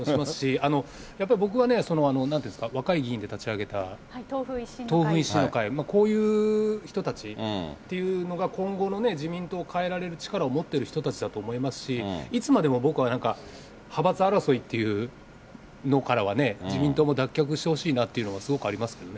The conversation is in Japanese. あの、やっぱり僕はね、そのなんていうんですか、若い議員で立ち上げた党風一新の会、こういう人たちというのが今後の自民党を変えられる力を持ってる人たちだと思いますし、いつまでも僕はなんか派閥争いっていうのからは、自民党も脱却してほしいなというのが、すごくありますけどね。